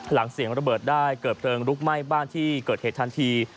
หลังเสียงระเบิดได้เกิดเพลิงลุกไหม้บ้านที่เกิดเหตุทันที